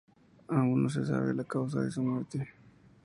Aún no se sabe la causa de su muerte.